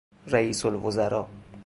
رییس الوزراء